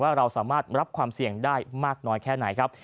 เราสามารถรับความเสี่ยงได้มากน้อยแค่ไหนครับ